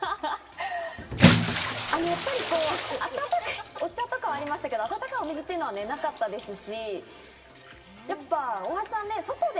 やっぱり温かいお茶とかありましたけど、温かいお水ってなかったですし。